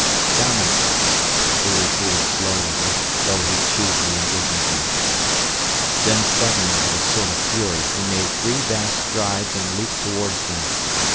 "Stomach," he repeated slowly, as though he chewed the indignity. Then suddenly, with a sort of fury, he made three vast strides and leapt towards them.